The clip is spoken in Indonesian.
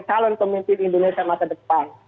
calon pemimpin indonesia masa depan